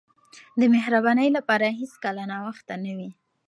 د مهربانۍ لپاره هیڅکله ناوخته نه وي.